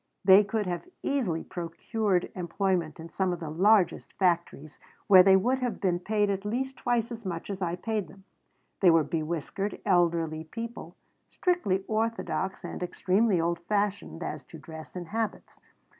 They could have easily procured employment in some of the largest factories, where they would have been paid at least twice as much as I paid them. They were bewhiskered, elderly people, strictly orthodox and extremely old fashioned as to dress and habits.